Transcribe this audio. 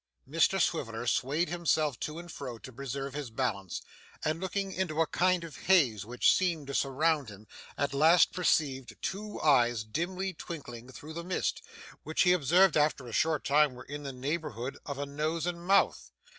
Mr Swiveller swayed himself to and fro to preserve his balance, and, looking into a kind of haze which seemed to surround him, at last perceived two eyes dimly twinkling through the mist, which he observed after a short time were in the neighbourhood of a nose and mouth.